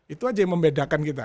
itu aja yang membedakan kita